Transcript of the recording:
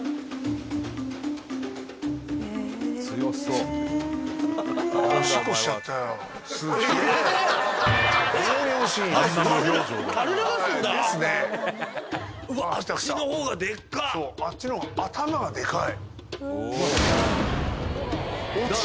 そうあっちのが頭がでかい。